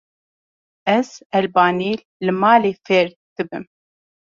Ez elbanî li malê fêr dibim.